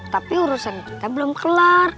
tapi urusan kita belum kelar